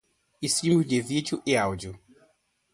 Streaming de vídeo e áudio